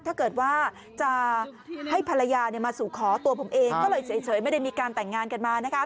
ถ้าเกิดว่าจะให้ภรรยามาสู่ขอตัวผมเองก็เลยเฉยไม่ได้มีการแต่งงานกันมานะคะ